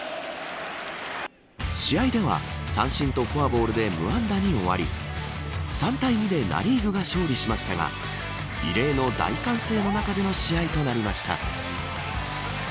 試合では三振とフォアボールで無安打に終わり３対２でナ・リーグが勝利しましたが異例の大歓声の中での試合となりました。